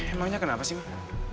emangnya kenapa sih mam